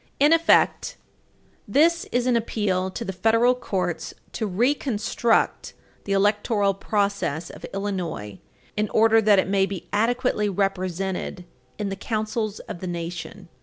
In effect, this is an appeal to the federal courts to reconstruct the electoral process of Illinois in order that it may be adequately represented in the councils of the Nation.